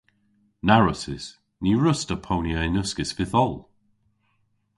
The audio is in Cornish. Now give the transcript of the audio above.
Na wrussys. Ny wruss'ta ponya yn uskis vytholl.